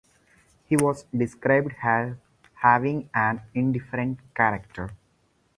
He was described as having an indifferent character.